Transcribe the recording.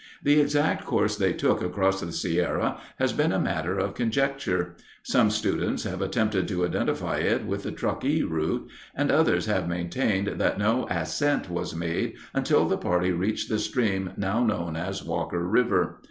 The exact course they took across the Sierra has been a matter of conjecture; some students have attempted to identify it with the Truckee route, and others have maintained that no ascent was made until the party reached the stream now known as Walker River.